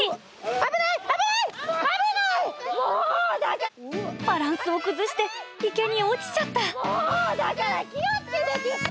危ない、危ない、危ない、バランスを崩して、池に落ちもう、だから気をつけてって。